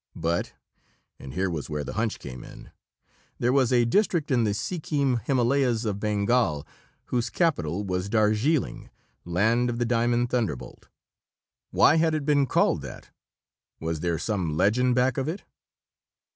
But and here was where the hunch came in there was a district in the Sikkim Himalayas of Bengal whose capital was Darjeeling Land of the Diamond Thunderbolt. Why had it been called that? Was there some legend back of it?